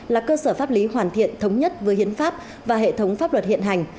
là cơ sở pháp lý hoàn thiện thống nhất với hiến pháp và hệ thống pháp luật hiện hành